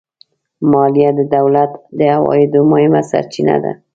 مالیه د دولت د عوایدو مهمه سرچینه ده